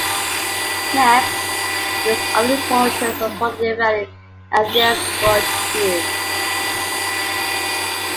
Next, he goes over the importance of holding and defending an atheist world view.